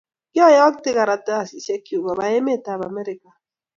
kioyokte karatasisieknyu koba emetab Amerika